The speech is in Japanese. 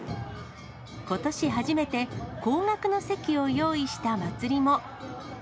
ことし初めて、高額の席を用意した祭りも。